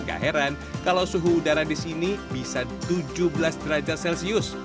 gak heran kalau suhu udara di sini bisa tujuh belas derajat celcius